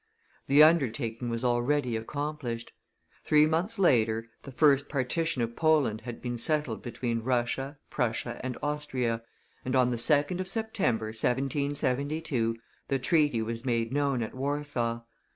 The undertaking was already accomplished. Three months later, the first partition of Poland had been settled between Russia, Prussia, and Austria, and on the 2d of September, 1772, the treaty was made known at Warsaw.